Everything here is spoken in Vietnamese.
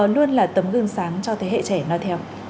luôn là tấm gương sáng cho thế hệ trẻ nói theo